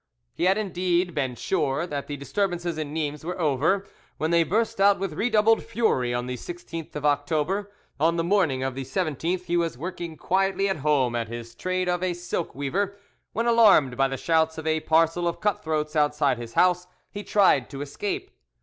He had indeed been sure that the disturbances in Nimes were over, when they burst out with redoubled fury on the 16th of October; on the morning of the 17th he was working quietly at home at his trade of a silk weaver, when, alarmed by the shouts of a parcel of cut throats outside his house, he tried to escape.